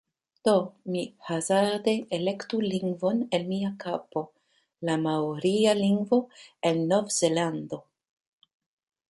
Do, mi hazarde elektu lingvon el mia kapo... la maoria lingvo el Novzelando